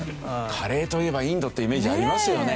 カレーといえばインドってイメージありますよね。